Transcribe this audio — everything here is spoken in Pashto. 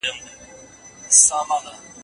اکثره خلک خندا له خوشالۍ سره تړي.